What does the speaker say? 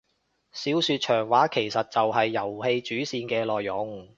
小說長話其實就係遊戲主線嘅內容